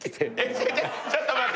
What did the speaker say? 違うちょっと待って。